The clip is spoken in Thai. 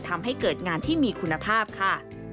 ทำให้เกิดงานที่มีคุณภาพค่ะ